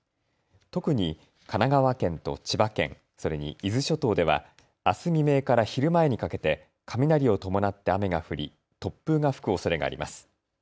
特に神奈川県と千葉県、それに伊豆諸島では、あす未明から昼前にかけて雷を伴って雨が降り突風が吹くおそれがあります。